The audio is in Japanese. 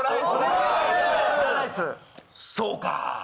そうか